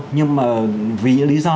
nhưng vì những lý do